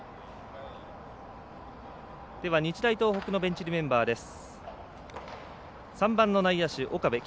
日大東北のベンチ入りメンバーです。